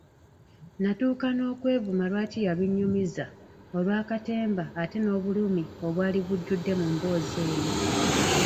Natuuka n'okwevuma lwaki yabinnyumiza olwa katemba ate n'obulumi obwali bujjudde mu mboozi eyo.